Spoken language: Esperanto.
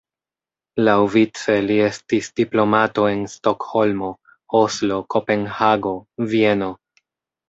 Laŭvice li estis diplomato en Stokholmo, Oslo, Kopenhago, Vieno.